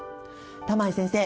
玉井先生